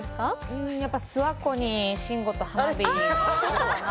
うんやっぱ諏訪湖に慎吾と花火行こうかな